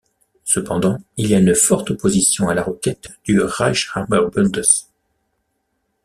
Cependant, il y a une forte opposition à la requête du Reichshammerbundes.